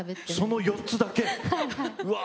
その４つだけ⁉うわ